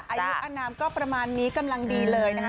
อายุอนามก็ประมาณนี้กำลังดีเลยนะคะ